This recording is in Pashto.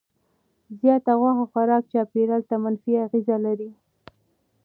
زیات غوښه خوراک چاپیریال ته منفي اغېز لري.